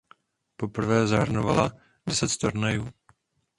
Poprvé zahrnovala deset turnajů.